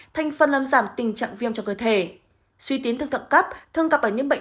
thành phần làm giảm tình trạng viêm trong cơ thể suy tiến thượng thận cấp thường gặp ở những bệnh